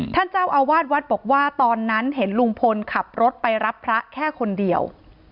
ท่านเจ้าอาวาสวัดบอกว่าตอนนั้นเห็นลุงพลขับรถไปรับพระแค่คนเดียว